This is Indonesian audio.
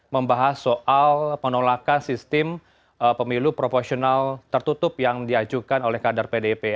membahas soal penolakan sistem pemilu proporsional tertutup yang diajukan oleh kader pdip